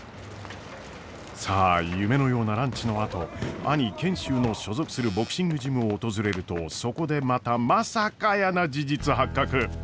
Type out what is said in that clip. さあ夢のようなランチのあと兄賢秀の所属するボクシングジムを訪れるとそこでまたまさかやーな事実発覚！